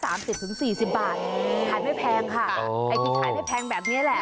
ขายไม่แพงค่ะไอ้ที่ขายไม่แพงแบบนี้แหละ